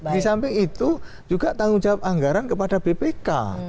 di samping itu juga tanggung jawab anggaran kepada bpk